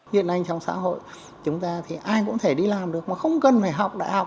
hiện nay trong xã hội chúng ta thì ai cũng thể đi làm được mà không cần phải học đại học